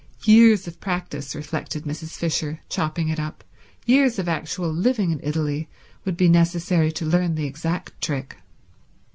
Years of practice, reflected Mrs. Fisher, chopping it up, years of actual living in Italy, would be necessary to learn the exact trick.